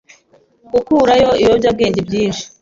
gukurayo ibiyobyabwenge byinshi